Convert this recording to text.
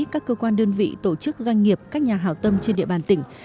các cơ quan đơn vị tổ chức doanh nghiệp các nhà hảo tâm trên địa bàn tỉnh